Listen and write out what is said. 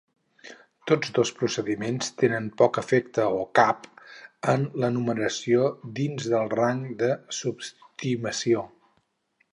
Tots dos procediments tenen poc efecte, o cap, en l'enumeració dins del rang de subtimació.